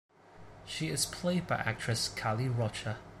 She is played by actress Kali Rocha.